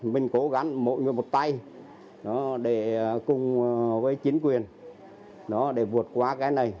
mình cố gắng mỗi người một tay để cùng với chính quyền nó để vượt qua cái này